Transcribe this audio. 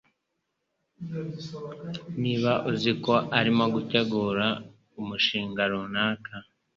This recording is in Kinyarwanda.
niba uziko arimo gutegura umunshinga runaka